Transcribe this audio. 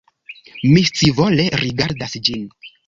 Mi scivole rigardas ĝin.